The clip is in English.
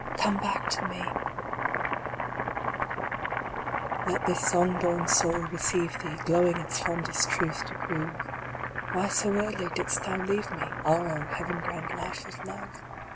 Come back to me ! Let this song born soul receive thee, Glowing its fondest truth to prove ; Why so early did st thou leave me, Are our heaven grand life of love